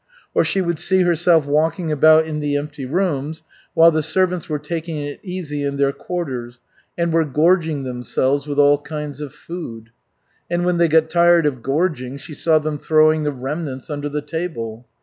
Or she would see herself walking about in the empty rooms while the servants were taking it easy in their quarters and were gorging themselves with all kinds of food; and when they got tired of gorging she saw them throwing the remnants under the table.